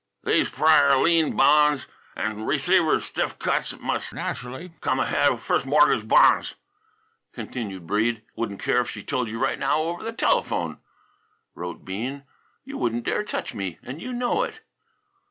" these prior lien bon's an' receiver's stiff cuts mus' natchally come ahead of firs' mortgage bon's " continued Breede. "Wouldn't care if she told you right now over that telephone," wrote Bean. "You wouldn't dare touch me, and you know it."